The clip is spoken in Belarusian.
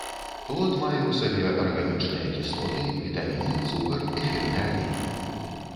Плод мае ў сабе арганічныя кіслоты, вітаміны, цукар, эфірны алей.